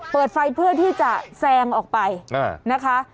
เปิดไฟเพื่อที่จะแซงออกไปนะคะ